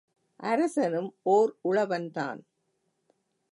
அரசனும் ஓர் உழவன்தான்.